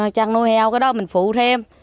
chăn nuôi heo cái đó mình phụ thêm